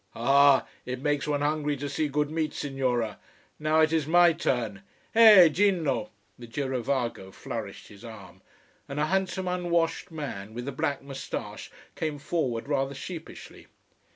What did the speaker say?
"Ha ha! It makes one hungry to see good meat, Signora. Now it is my turn. Heh Gino " the girovago flourished his arm. And a handsome, unwashed man with a black moustache came forward rather sheepishly.